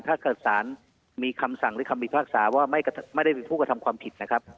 ถ้าเกิดสารมีคำสั่งหรือคำบิภาคศาว่าไม่ได้เป็นภูเขาธรรมความผิด